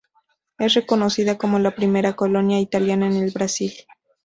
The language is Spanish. Es reconocida como la primera colonia italiana en el Brasil.